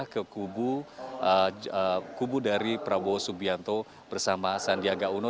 ke kubu dari prabowo subianto bersama sandiaga uno